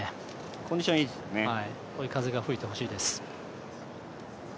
コンディションいいですね、追い風が吹いてほしいです。